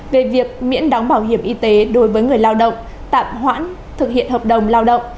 về việc miễn đóng bảo hiểm y tế đối với người lao động tạm hoãn thực hiện hợp đồng lao động